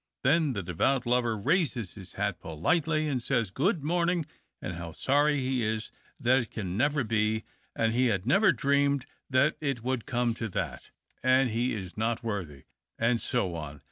Then the devout lover raises his hat politely and says good morning, and how sorry he is that it can never be, and he had never dreamed that it would come to that, THE OCTAVE OF CLAUDIUS. 289 and he is not worthy, and so on.